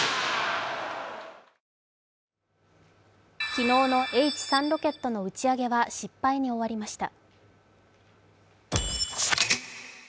昨日のＨ３ロケットの打ち上げは失敗に終わりました。